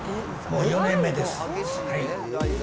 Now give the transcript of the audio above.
もう４年目です。